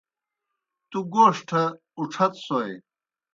تُوْ گوݜٹھہ اُڇھتوْسوئے۔